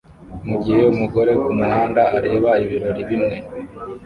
mugihe umugore kumuhanda areba ibirori bimwe